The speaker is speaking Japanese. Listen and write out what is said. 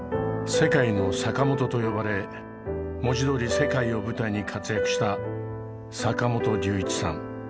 「世界のサカモト」と呼ばれ文字どおり世界を舞台に活躍した坂本龍一さん。